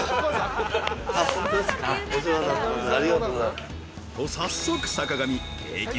［と早速坂上］